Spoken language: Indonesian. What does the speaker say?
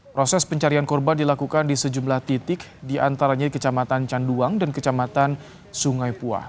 proses pencarian korban dilakukan di sejumlah titik di antaranya di kecamatan canduang dan kecamatan sungai puah